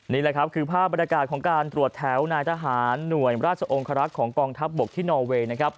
นี่คือภาพบรรยากาศของการตรวจแถวนายทหารหน่วยราชองค์คลักษณ์ของกองทัพบกที่นอร์เวย์